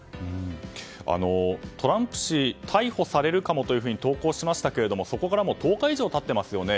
トランプ氏、逮捕されるかもと投稿しましたけれどもそこから１０日以上経っていますよね。